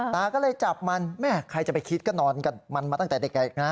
ตาก็เลยจับมันแม่ใครจะไปคิดก็นอนกับมันมาตั้งแต่เด็กนะ